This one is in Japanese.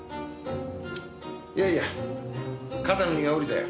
いやいや肩の荷が下りたよ。